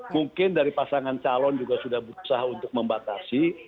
mungkin dari pasangan calon juga sudah berusaha untuk membatasi